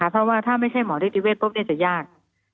เพราะว่าถ้าไม่ใช่หมอนิติเวศปุ๊บจะยาก